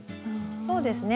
そうですね